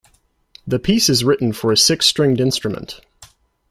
The piece is written for a six-stringed instrument.